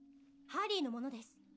ハリーのものです